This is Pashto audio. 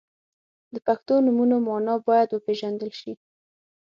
• د پښتو نومونو مانا باید وپیژندل شي.